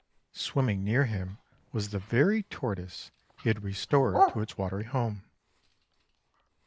Swim ming near him was the very Tortoise he had restored to its watery home.